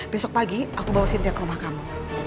besok pagi aku bawa sintea ke rumah kamu